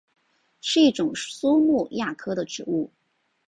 是一种苏木亚科的植物。